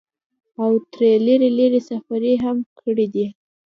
او تر لرې لرې سفرې هم کړي دي ۔